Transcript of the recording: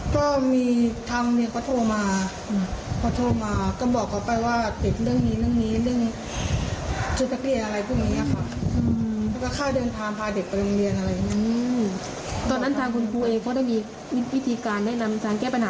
ก่อนที่ว่าจะเปิดเครื่องนั้นไม่ได้มีการติดต่อไปที่โรงเรียนบ้างไหมล่ะ